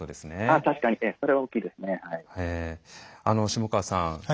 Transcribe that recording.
下川さん